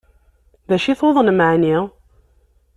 D acu i tuḍnem ɛni?